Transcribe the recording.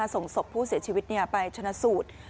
ส่งศพผู้เสียชีวิตไปชนะสูตร